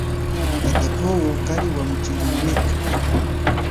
Tatapowo kali wa munyatshi weka.